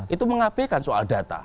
itu mengapekan soal data